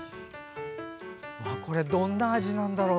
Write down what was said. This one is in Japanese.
どんな味なんだろう。